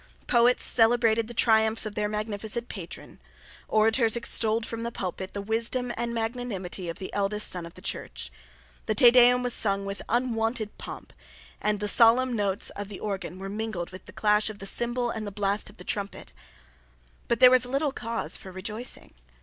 Poets celebrated the triumphs of their magnificent patron. Orators extolled from the pulpit the wisdom and magnanimity of the eldest son of the Church. The Te Deum was sung with unwonted pomp; and the solemn notes of the organ were mingled with the clash of the cymbal and the blast of the trumpet. But there was little cause for rejoicing.